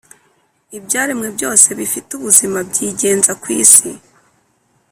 ibyaremwe byose bifite ubuzima byigenza ku isi.